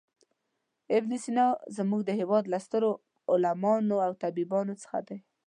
ابن سینا زموږ د هېواد له سترو عالمانو او طبیبانو څخه دی.